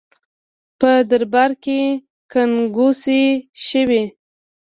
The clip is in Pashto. په دربار کې ګنګوسې شوې.